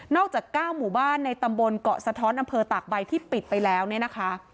จาก๙หมู่บ้านในตำบลเกาะสะท้อนอำเภอตากใบที่ปิดไปแล้วเนี่ยนะคะ